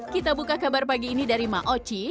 kita buka kabar pagi ini dari ma oci